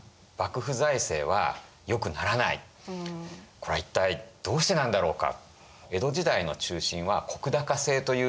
これは一体どうしてなんだろうか。